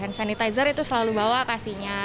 hand sanitizer itu selalu bawa kasihnya